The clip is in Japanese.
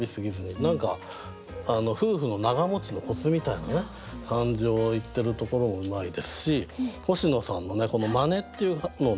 何か夫婦の長もちのコツみたいなね感じを言ってるところもうまいですし星野さんのね「まね」っていうのをね